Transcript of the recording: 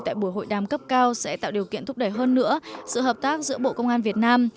tại buổi hội đàm cấp cao sẽ tạo điều kiện thúc đẩy hơn nữa sự hợp tác giữa bộ công an việt nam